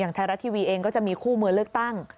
ไทยรัฐทีวีเองก็จะมีคู่มือเลือกตั้ง